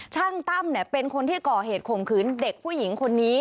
ช่างตั้มเป็นคนที่ก่อเหตุข่มขืนเด็กผู้หญิงคนนี้